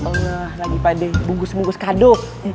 masya allah lagi pade bungkus bungkus kado